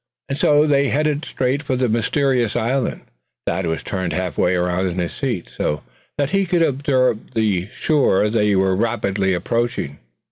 And so they headed straight for the mysterious island. Thad was turned half way around in his seat, so that he could observe the shore they were rapidly approaching.